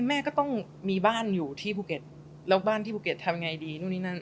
แม่ก็ต้องมีบ้านอยู่ที่ภูเก็ตแล้วบ้านที่ภูเก็ตทำยังไงดีนู่นนี่นั่น